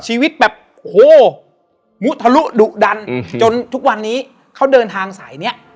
ชีวิตแบบโอ้โหมุทะลุดุดันจนทุกวันนี้เขาเดินทางสายเนี้ย